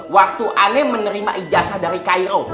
waktu ane menerima ijazah dari kairo